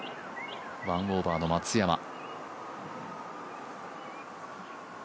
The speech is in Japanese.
１オーバーの松山。